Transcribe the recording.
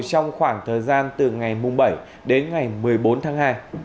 trong khoảng thời gian từ ngày bảy đến ngày một mươi bốn tháng hai